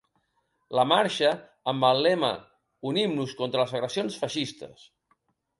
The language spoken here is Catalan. La marxa, amb el lema Unim-nos contra les agressions feixistes.